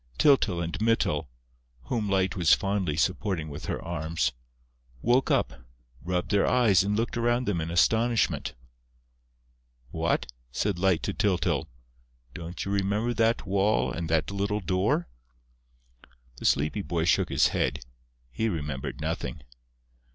Tyltyl and Mytyl, whom Light was fondly supporting with her arms, woke up, rubbed their eyes and looked around them in astonishment. "What?" said Light to Tyltyl. "Don't you know that wall and that little door?" The sleepy boy shook his head: he remembered nothing.